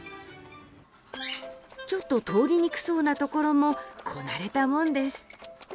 ちょっと通りにくそうなところもこなれたもんです。